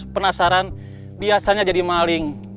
penasaran biasanya jadi maling